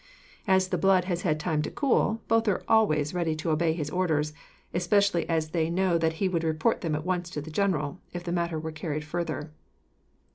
As the blood has had time to cool, both are always ready to obey his orders, especially as they know that he would report them at once to the general, if the matter were carried further."